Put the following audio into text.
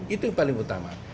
itu yang paling utama